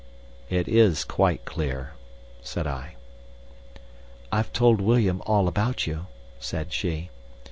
"It is quite clear," said I. "I've told William all about you," said she.